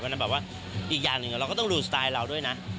แบบว่าอีกอย่างหนึ่งเราก็ต้องดูสไตล์เราด้วยนะ